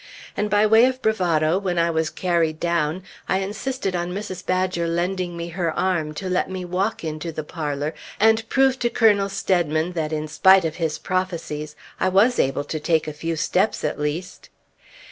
And by way of bravado, when I was carried down, I insisted on Mrs. Badger lending me her arm, to let me walk into the parlor and prove to Colonel Steadman that in spite of his prophecies I was able to take a few steps at least.